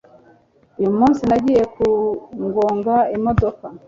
uyu munsi, nagiye kugonga imodoka